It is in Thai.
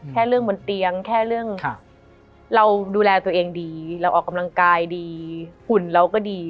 แค่เรื่องบนเตียงแค่เรื่องเราดูแลตัวเองดีเราออกกำลังกายดีหุ่นเราก็ดี